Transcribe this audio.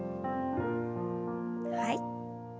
はい。